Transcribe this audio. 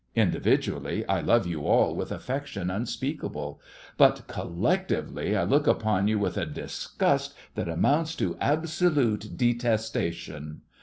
Individually, I love you all with affection unspeakable; but, collectively, I look upon you with a disgust that amounts to absolute detestation.